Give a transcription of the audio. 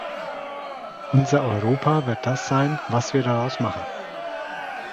Unser Europa wird das sein, was wir daraus machen.